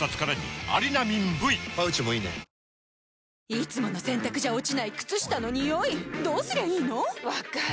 いつもの洗たくじゃ落ちない靴下のニオイどうすりゃいいの⁉分かる。